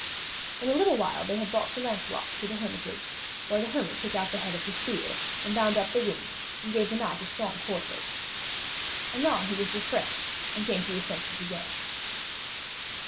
In a little while they had brought Sir Lancelot to the hermitage, where the hermit took out the head of the spear and bound up the wound and gave to the knight a strong cordial. Anon he was refreshed and came to his senses again.